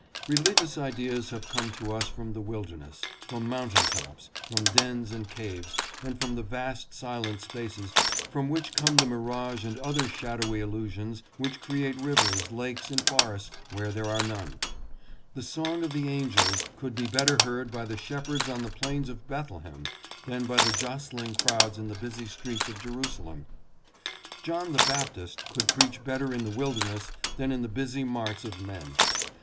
Religious ideas have come to us from the wilderness, from mountain tops, from dens and caves, and from the vast silent spaces from which come the mirage and other shadowy illusions which create rivers, lakes and forests where there are none. The song of the angels could be better heard by the shep herds on the plains of Bethlehem than by the jostling crowds in the busy streets of Jerusalem. John the Baptist could preach better in the wilderness than in the busy marts of men.